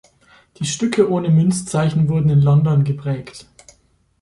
Die Stücke ohne Münzzeichen wurden in London geprägt.